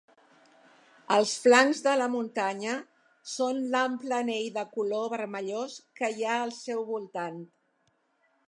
Els flancs de la muntanya són l'ample anell de color vermellós que hi ha al seu voltant.